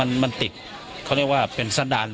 เป็นวันที่๑๕ธนวาคมแต่คุณผู้ชมค่ะกลายเป็นวันที่๑๕ธนวาคม